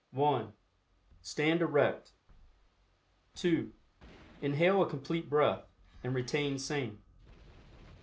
(1) Stand erect. (2) Inhale a Complete Breath, and retain same.